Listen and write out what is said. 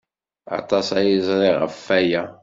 Aṭas ay ẓriɣ ɣef waya.